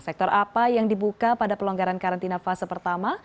sektor apa yang dibuka pada pelonggaran karantina fase pertama